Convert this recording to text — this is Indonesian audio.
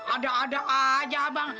ada ada aja abang